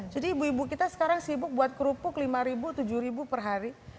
jadi ibu ibu kita sekarang sibuk buat kerupuk lima tujuh per hari